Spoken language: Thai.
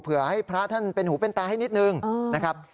ให้พระท่านเป็นหูเป็นตาให้นิดนึงนะครับ